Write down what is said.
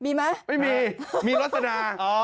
มีมั้ยใช่ไม่มีมีรสนาอ๋อ